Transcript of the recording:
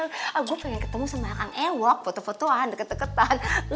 gue pengen ketemu sama aang ewok foto fotoan deket deketan